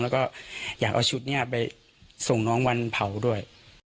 แล้วก็อยากเอาชุดนี้ไปส่งน้องวันเผาด้วย